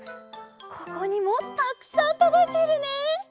ここにもたくさんとどいているね。